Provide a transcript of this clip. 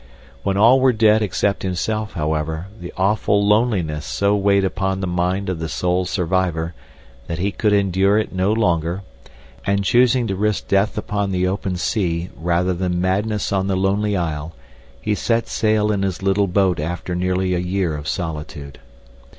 When all were dead except himself, however, the awful loneliness so weighed upon the mind of the sole survivor that he could endure it no longer, and choosing to risk death upon the open sea rather than madness on the lonely isle, he set sail in his little boat after nearly a year of solitude.